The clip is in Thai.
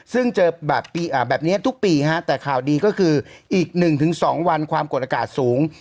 ซึ่งเจอแบบนี้ทุกปีฮะแต่ข่าวดีก็คืออีก๑๒วันความกดอากาศสูง